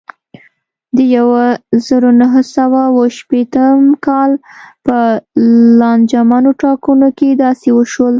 د یوه زرو نهه سوه اوه شپېتم کال په لانجمنو ټاکنو کې داسې وشول.